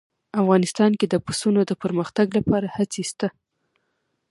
افغانستان کې د پسونو د پرمختګ لپاره هڅې شته.